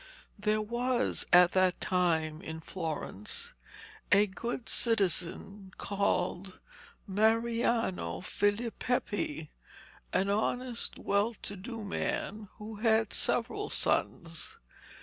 There was at that time in Florence a good citizen called Mariano Filipepi, an honest, well to do man, who had several sons.